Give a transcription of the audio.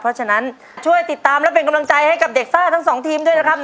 เพราะฉะนั้นช่วยติดตามและเป็นกำลังใจให้กับเด็กซ่าทั้งสองทีมด้วยนะครับ